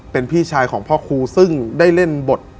เป็นพี่ชายของพ่อครูซึ่งได้เล่นบท